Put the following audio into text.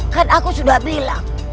kan aku sudah bilang